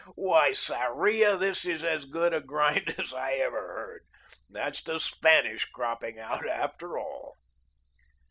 Why, Sarria, this is as good a grind as I ever heard. There's the Spanish cropping out, after all."